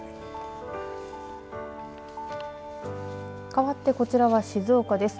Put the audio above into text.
かわって、こちらは静岡です。